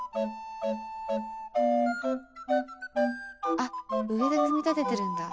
あっ上で組み立ててるんだ。